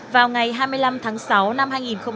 vào ngày hai mươi năm tháng sáu năm hai nghìn một mươi bảy